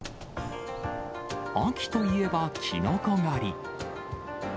秋といえばきのこ狩り。